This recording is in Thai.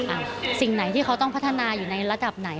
สิ่งไหนที่เขาต้องพัฒนาอยู่ในระดับไหน